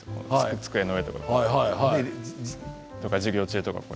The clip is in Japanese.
机の上とかで授業中とかも。